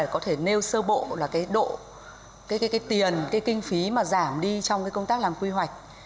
có thể nêu sơ bộ là cái độ cái tiền cái kinh phí mà giảm đi trong cái công tác làm quy hoạch